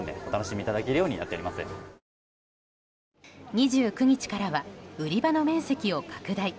２９日からは売り場の面積を拡大。